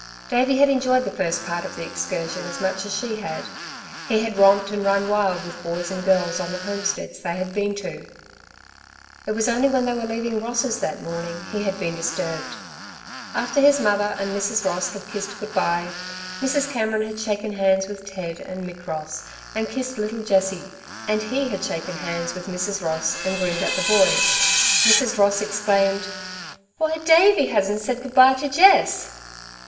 Davey had enjoyed the first part of the excursion as much as she had. He had romped and run wild with boys and girls on the homesteads they had been to. It was only when they were leaving Ross's that morning he had been disturbed. After his mother and Mrs. Ross had kissed good bye, Mrs. Cameron had shaken hands with Ted and Mick Ross and kissed little Jessie, and he had shaken hands with Mrs. Ross and grinned at the boys, Mrs. Ross exclaimed: "Why Davey hasn't said good bye to Jess!"